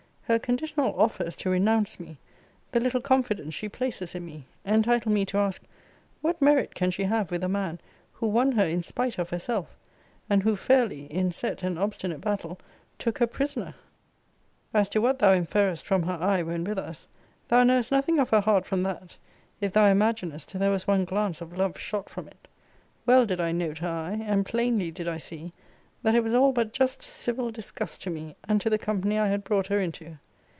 Her conditional offers to renounce me; the little confidence she places in me; entitle me to ask, What merit can she have with a man, who won her in spite of herself; and who fairly, in set and obstinate battle, took her prisoner? As to what thou inferrest from her eye when with us, thou knowest nothing of her heart from that, if thou imaginest there was one glance of love shot from it. Well did I note her eye, and plainly did I see, that it was all but just civil disgust to me and to the company I had brought her into.